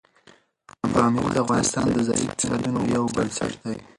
پامیر د افغانستان د ځایي اقتصادونو یو بنسټ دی.